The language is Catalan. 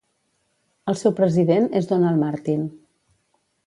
El seu president és Donald Martin.